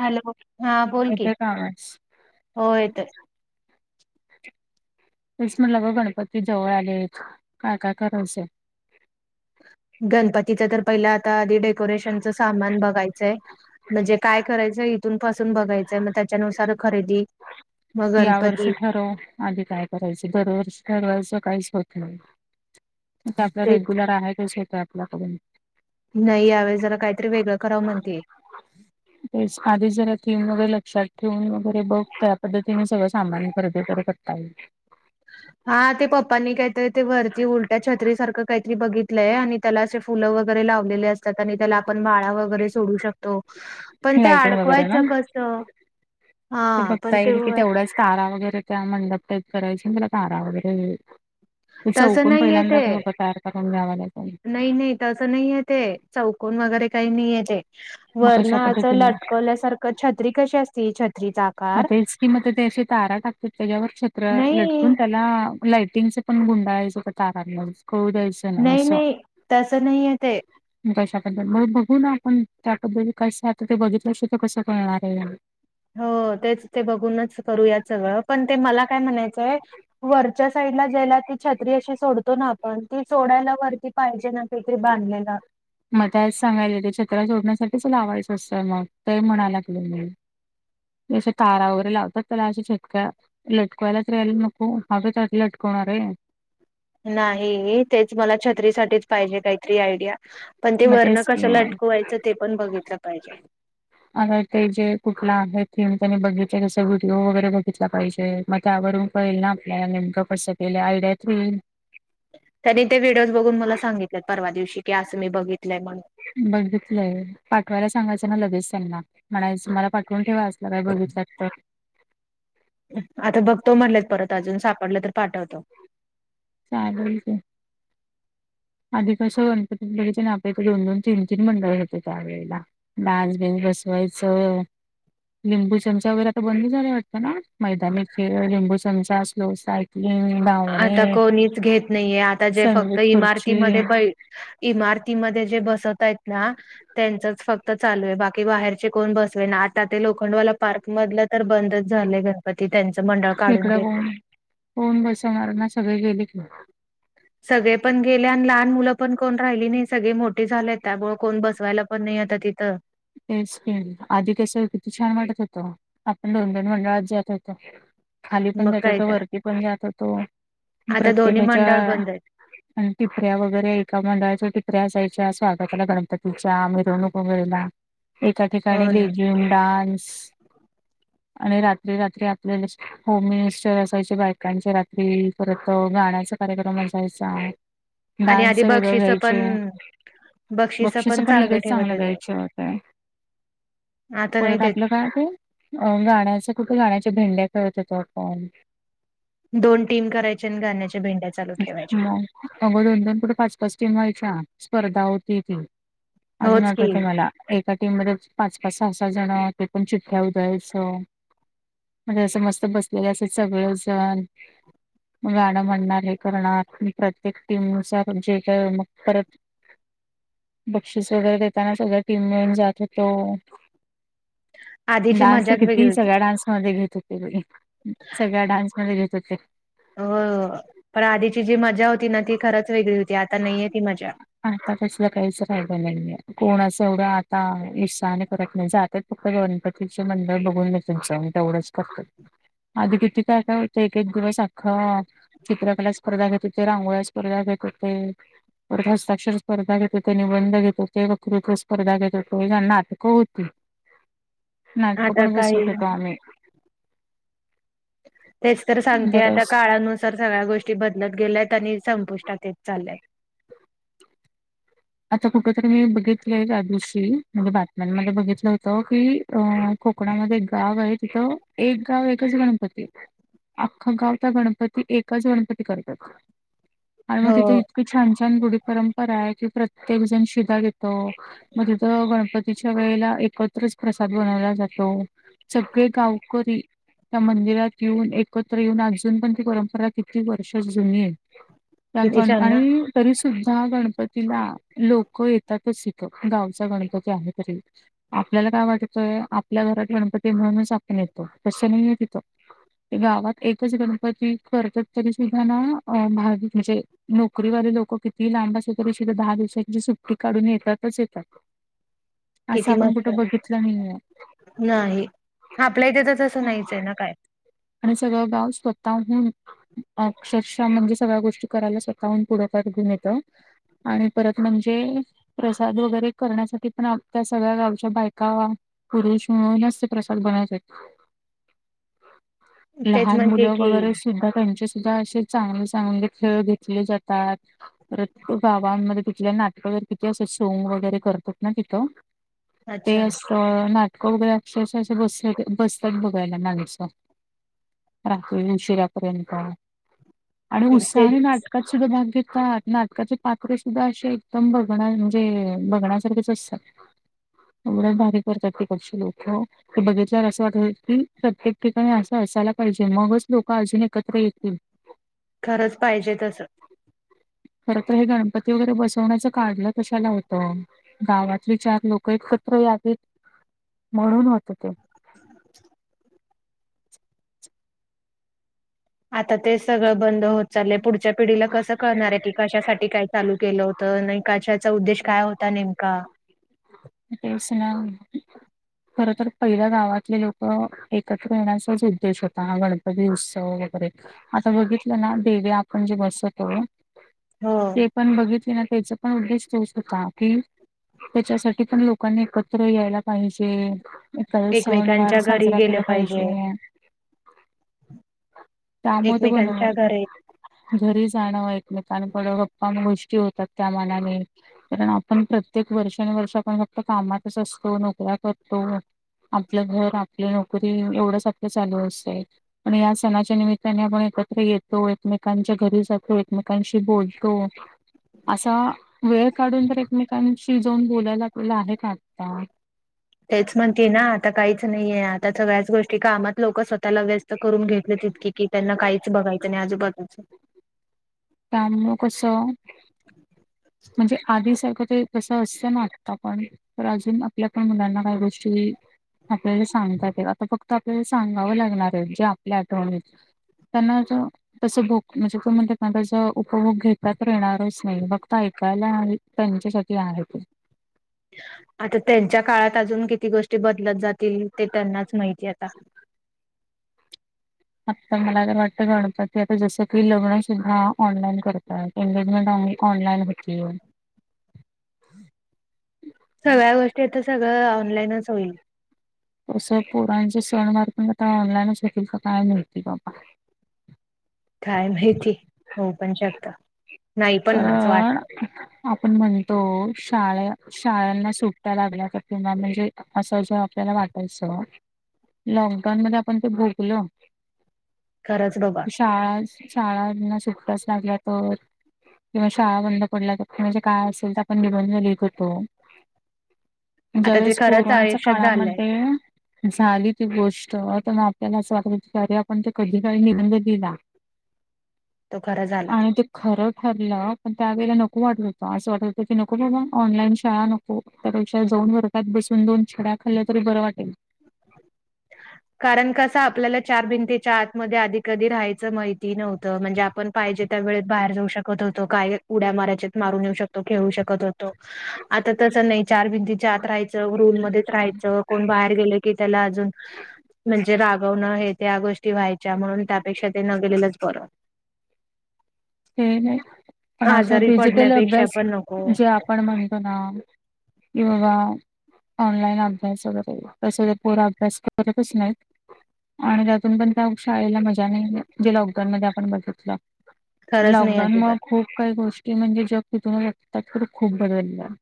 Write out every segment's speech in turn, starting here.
Hello हा बोल की येतोय का आवाज हो येतो. तेच म्हणलं ग गणपती जवळ आलेत काय काय करायचं? गणपतीच तर पहिलं आता आधी डेकोरेशनच सामान बघायचंय म्हणजे काय करायचं इथून पासून बघायचंय मग त्याच्यानुसार खरेदी मग या वर्षा गणपती ठरवू आधी काय करायचं दरवर्षी ठरवायचं काहीच होत नाही. आपलं ते रेग्युलर आहेच होेत आपल्याकडून नाही यावेळे जरा काहीतरी वेगळं करावं म्हणते. तेच आधी जरा थीम वगैरे लक्षात ठेवून वगैरे बघ त्या पद्धतीने सगळं सामान खरेदी व करत. चा [unintelligible] हा ते पप्पनी काहीतरी ते भरती उलट्या छत्री सारखं काहीतरी बघितलंय आणि त्याला असे फुलं वगैरे लावलेले असतात आणि त्याला आपण माळा व वगैरे सोडू शकतो पण ते लाइटिंग वगैरे ना अडकवायचं कसं? हा पण बघता ते येईल की वर तेवढ्याच तारा वगैरे त्या मंडप टाईप करायचे तारा वगैरे ते तसं चौकण नाहीये ते पहिल्यांदा तैयार करून घ्यावं लागेल. नाही नाही तसं नाहीय ते चौकन वगैरे काही नाहीय तेे मग वरण कशा पद्धतीने लटकल्यासारखं छत्री कशी असते छत्रीचा आकार मग तेच की मत ते असे तारा टाकतात त्याच्यावर छत्र नाही लटकून त्याला लाईटिंगचे पण गुंडाळायच का तारांला कळू द्यायचं नाही नाही तसं नाही ते कशाबद्दल मग बघू ना आपण त्याबद्दल कसं आता ते बघितल्याशिवाय तर कसं कळणार आहे. हो तेच ते बघूनच करू यात सगळं पण ते मला काय म्हणायचंय वरच्या साईडला ज्यायला ती छत्री अशी सोडतो ना आपण ती सोडायला वरती पाहिजे ना कोणतरी बांधलेला. मग त्याच सांगायचे ते छत्र सोडण्यासाठीच लावायचं असतंय मग ते म्हणायला गगलं म ज तारा वगैरे लावतात त्याला अशी छटक्या लटकवायला तर नको हवच लटकवणार आहे. नाही तेच मला छत्री साठीच पाहिजे काहीतरी आयडिया? पण ते मग वर्ण तेच कशाला की अटकवायचं ते पण बघितलं पाहिजे? अता ते जे कुठला आहे थीम त्यांनी बघितले कसं व्हिडीिओ वगैरे बघितला पाहिजे. मग त्यावरून कळेल ना आपल्याला नेमकं कसं केलं आयडियात येईल. त्यांनी ते व्हिडिओज बघून मला सांगितलेत परवा दिवशी की असं मी बघितलंय म्हणून. बघितलंय पाठवायला सांगायचं ना लगेच त्यांना म्हणा मला पाठवून ठेवा अस. तिला काय बघितलं तर. आता बघ तो म्हणलेत परत अजून सापडलं तर पाठवतो. चालल की. आधी कसं गणपतीगेच ना आपल्या दोन दोन तीन तीन मंडळ होते त्यावेेळेला. डान्स बीन्स बसवायचं. लिंबू चमचा वगैरे आता बंदी झालं वाटतं ना मैदानी खेळ लिंबू चमचा लोसा हम् बा आता कोणीच घेत नाहीये आता जे संगीत फक्त खुर्ची इमारतीमध्ये ब इमारतीमध्ये जे बसतय ना त्यांचच फक्त चालू आहे बाकी बाहेरचे कोण बसवे ना आता ते लोखंडवाला पार्क मधलं तर बंदच झालं गणपती त्यांच मंडळ. काढून इकड घेतले कोन कोन बसवणार ना सगळे गेले क सगळे पण गेले आणि लहान मुलं पण कोण राहिली नाही सगळे मोठे झाले त्यामुळे कोण बसवायला पण नाही आता तिथं एस प आधी केसर किती छान वाटत होत. आपण दोन दोन मंडळात जात होतो खाली पण मग जात काय होतो तर वरती पण जात होतो आता दोन्ही प्रत्येकाच्या मंडळ बंद आहेत आणि टिपऱ्या वगैरे एका मंडळाच्या टिपऱ्या असायच्या स्वागताला गणपतीच्या मिरवणूक वेळेला. एका ठिकाणी हो ना लेझिम डान्स. आणि रात्री रात्री आपल्याला. होम मिनिस्टर असायचे बायकांचे रात्री परत गाण्याचा कार्यक्रम असायचा. आणि डान्स आधी वेगळं बक्षिस घ्यायचे पण बक्षिस बक्षीस पण चांगले लगेच ठेवत चांगलं द्या होते यचं. आता नाही परत देत आप काय ते गाण्याच कुठे गाण्याच्या भेंड्या खेळत होतो आपण दोन टीम करायची आणि गाण्याच्या भेंड्या चालू ठेवायच्या. मग अगं दोन दोन पुुढे पाच पाच टीम व्हायच्या स्पर्धा होती ती अजून होच की आठवतय मला. एका टीम मध्ये पाच पाच सहा सहा जण ते पण चिठ्ठ्या उधळायचं. म्हणजे असं मस्त बसलेले असत सगळेजण. मग गाणं म्हणणार हे करणार प्रत्येक टीमुसार जे काय मग परत. बक्षीस वगैरे करताना सगळ्या टीम मिळून जात होतो. आधीची डान्स मजाच वेगळी किती होती सगळ्या डान्स मध्ये घेत होते सगळ्या डान्स मध्ये घेत होते. हो पण आधीची जी मजा होती ना ती खरंच वेगळी होती आता नाहीये ती मजा. आता तसला काहीच राहिला नाहीये, कोणं असं एवढं आता उत्साहाने करत नाही. जात फक्त गणपतीच मंडळ बघून घे त्यांच तेवढंच करतात. अध किती काय -काय होत, एक एक दिवस अखा चित्रकला स्पर्धा घेत होते. रांगोळ्या स्पर्धा घेत होते. हस्ताक्षर स्पर्धा घेत होते, निबंध घेत होते, वक्तृत्व स्पर्धा घेत होते, झाल नाटकं होती. [inaudible] नाटकं आता पण बसवत काही होेतो आम्ही. तेच तर सांगते आता, बरंच काळानुसार सगळ्या गोष्टी बदलत गेल्यात आणि संपुष्टात येत चालल्यात. आता कुठंतरी मी बघितलेय त्या दिवशी, म्हणजे बातम्यांमध्ये बघितलं होतं की, अ कोकणामध्ये एक गाव आहे तिथं एक गाव एकच गणपती. आख्खा गाव त्या गणपती, एकच गणपती करतात. आणि मग हो तिथे इतकी छान छान रूढी परंपरा आहे, की प्रत्येक जण शिदा घेत. त मग तिथ गणपती च्या वेळेला एकत्रच प्रसाद बनवला जातो. सगळे गावकरी त्या मंदिरात येऊन, एकत्र येऊन, अजून पण ती परंपरा किती वर्ष जुनी आहे. त्या किती गण छान ना आणि तरी सुुद्धा गणपतीला लोक येतातच तिथं, गावचा गणपती आहे तरी. आपल्याला काय वाटतंय आपल्या घरात गणपती म्हणूनच आपण येतो. तस नाहीये तिथं. गावात एकच गणपती करतात तरी सुद्धा ना अ भावी म्हणजे नोकरीवाले लोक कितीही लांब असले तरी सुद्धा दहा दिवसांची सुट्टी काढून येतातच येतात. असं किती आपण मस्त, कुठं बघितलं नाहीये नाही आपल्या इथे तर तसं नाहीच आहे ना काय. आणि सगळं गाव स्वतःहून अक्षरशः म्हणजे सगळ्या गोष्टी करायला स्वतःहून पुढाकार घेऊन येत. आणि परत म्हणजे प्रसाद वगैरे करण्यासाठी पण अख्ख्या सगळ्या गावच्या बायका पुरुष म्हणूनच ते प्रसाद बनयचे. [inaudible] तेच लहान म्हणते मुलं की वगैरे सुद्धा त्यांचे सुद्धा असे चांगले चांगले खेळ घेतले जातात. परत गावांमध्ये त नाटक तर किती असं सोग वगैरे करतात ना तिथं, ते अच्छा अस तर नाटकं वगैरे अक्षरश असं बस -बसतात बघायला माणसं. रात्री उशिरापर्यंत. आणि उत्साहाने तेच नाटकात सुद्धा भाग घेतात. नाटकाचे पात्रे सुद्धा अस एकदम बघ म्हणजे बघण्यासारखेच असतात. एवढ भारी करतात तिकडची लोक. ते बघितल्यावर असं वाटत की प्रत्येक ठिकाणी असं असायला पाहिजे, मगच लोक अजून एकत्र येतील. खरंच पाहिजे तस. खरं तर हे गणपती वगैरे बस कोण अस काढलं कशाला होतं, गावातले चार लोक एकत्र यावीत म्हणून होत ते. आता ते सगळं बंद होत चालय, पुढच्या पिढीला कसं कळणार आहे की कशासाठी काय चालू केलं होत. तर नाही का त्याचा उद्देश काय होता नेमका? तेच ना. खर तर पहिल्या गावातले लोक एकत्र येण्याचाच उद्देश होता. हा गणप कध उत्सव वगैरे आता बघितलं ना देवी आपण जे बसवतो हो. ते पण बघितली ना त्याचा पण उद्देश तोच होता, की त्याच्यासाठी [unintelligible] पण लोकांनी एकत्र यायला पाहिजे. एकत्र सणवार एकमेकांच्या घरी साजरा गेले केला पाहिजे. एकमेकांच्या घरी [unintelligible] घरी जाणं एकमेकांकड, गप्पा गोष्टी होतात त्या मानाने. कारण आपण प्रत्येक वर्षानुवर्ष आपण फक्त कामातच असतो, नोकऱ्या करतो. आपलं घर, आपली नोकरी एवढंच आपलं चालू असतंय. आणि या सणाच्या निमित्ताने आपण एकत्र येतो, एकमेकांच्या घरी जातो, एकमेकांशी बोलतो. असा वेळ काढून तर एकमेकांशी जाऊन बोलायला आपल्याला आहे का आता. तेच म्हणतीय ना. आता काहीच नाहीये, आता सगळ्याच गोष्टी कामात लोकं स्वतः ताला व्यस्त करून घेतले तितके कि, त्यांना काहीच बघायचं नाही आजूबाजूचं. त्यामुळं कसं? म्हणजे आधी सारखं ते तसं असतं ना आत्ता पण. तर अजून आपल्या पण मुलांना काही गोष्टी आपल्याला सांगता येतात. आता फक्त आपल्याला सांगावं लागणार आहे जे आपल्या आठवणीत त्यांना ज तसं भोग म्हणजे तु म्हणतेस ना, तसं उपभोग घेता तर येणारच नाही बघ. ऐकायला त्यांच्यासाठी आहे ते. आता त्यांच्या काळात अजून किती गोष्टी बदलत जातील, ते त्यांनाच माहिती आता. आता मला तर वाटतं गणपती आता जसं की, लग्न सुद्धा ऑनलाइन करतात. एंगेजमेंट ऑ ऑनलाईन होतील. सगळ्या गोष्टी तर सगळं ऑनलाईनच होईल. तसं पोरांचे सणवार पण आता ऑनलाईनच होतील का काय माहिती बाबा. काय माहिती, होऊ पण शकतं. नाही पण ना असं वाटतं. आपण म्हणतो शाळा शाळांना सुट्ट्या लागल्या, तर किंवा म्हणजे असं ज आपल्याला वाटायचं. लॉकडाऊन मध्ये आपण ते भोगलं. खरंच बाबा. शाळा, शाळांना सुट्ट्याच लागल्या तर. किंवा शाळा बंद पडल्या तर, म्हणजे काय असेल तर आपण निबंध लिहीत होतो. आता ते ज्यावेेळेस खरंच कोरोनाच्या आयुष्यात झालंय काळामध्ये झाली ती गोष्ट. तर मग आपल्याला असं वाटत होतं की, अरे आपण ते कधी काळी निबंध लिहिला. तो खरा झाला आणि ते खरं ठरलं, पण त्या वेळेला नको वाटलं होतं. असं वाट होत की नको बाबा, ऑनलाईन शाळा नको. हो, त्यापेक्षा जाऊन वर्गात बसून दोन छड्या खाल्ल्या तरी बरं वाटेल. कारण कसं आपल्याला चार भिंतीच्या आतमध्ये आधी कधी राहायचं माहिती नव्हतं, म्हणजे आपण पाहिजे त्या वेळेत बाहेर जाऊ शकत होतो, काय उड्या मारायच्यात मारून येऊ शकतो, खेळू शकत होतो. आता तसं नाही. चार भिंतीच्या आत राहाय च रूम मध्येच राहायचं. कोण बाहेर गेलं की त्याला अजून म्हणजे रागवणं हे त्या गोष्टी व्हायच्या. म्हणून त्यापेक्षा ते न गेलेलंच बरं. ते नाही, पण असं आजारी डिजिटल पडण्यापेक्षा अभ्यास पण नको जे आपण म्हणतो ना की बाबा ऑनलाईन अभ्यास वगैरे. तसं तर पोरं अभ्यास करतच नाहीत. आणि त्यातून पण त्या शाळेला मजा नाही, जे लॉकडाऊन मध्ये आपण बघितलं. खरंच नाही अजिबात. लॉकडाऊनमुळं खूप काही गोष्टी म्हणजे जग तिथून [unintelligible] तर खूप बदललं.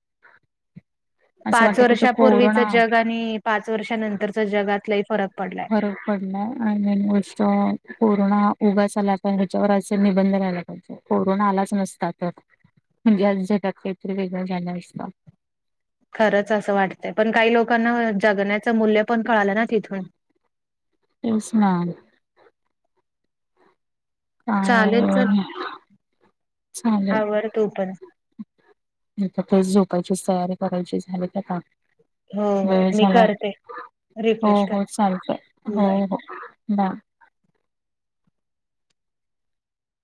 असं पाच वाटतं की तो वर्षापूर्वीच कोरोना जग आणि पाच वर्षानंतरच जगात लई फरक पडलाय. पडला आणि मेन गोष्ट कोरोना उगा आला पण ह्याच्यावर असे निबंध लागतात. कोरोना आलाच नसता तर म्हणजे आज जगात काहीतरी वेगळ झाल असत. खरच अस वाटतय पण काही लोकांना जगण्याच मूल्य पण कळाल ना तिथून. तेच ना चालेल चल [unintelligible] चालेल. आवर तू पण तेच झोपायचीच तयारी करायची, झाले की काम. हो हो वेळ मी झाला करते हो रिफ्रेश कर हो चालतय हो बाय. हो. बाय